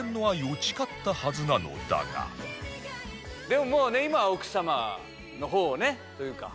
でももうね今は奥様の方をねというか。